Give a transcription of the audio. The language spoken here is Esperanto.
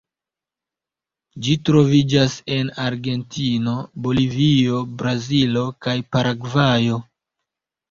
Ĝi troviĝas en Argentino, Bolivio, Brazilo kaj Paragvajo.